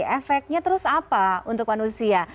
efeknya terus apa untuk manusia